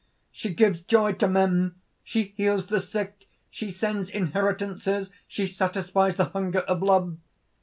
] "She gives joy to men, she heals the sick; she sends inheritances; she satisfies the hunger of love!